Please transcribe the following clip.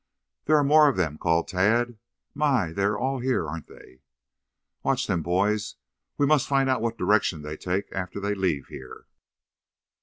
"There are more of them," called Tad. "My, they're all here, aren't they?" "Watch them, boys. We must find out what direction they take after they leave here."